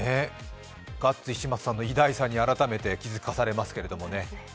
ガッツ石松さんの偉大さに改めて気づかされますね。